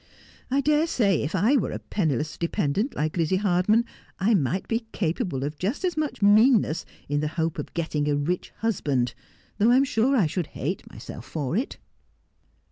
I dare say if I were a penniless dependent like Lizzie Hardman, I might be capable of just as much meanness, in the hope of getting a rich husband, though I'm sure I should hate mvself for it.'